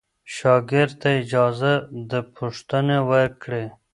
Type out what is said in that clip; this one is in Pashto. شاګرد ته اجازه ده پوښتنه وکړي.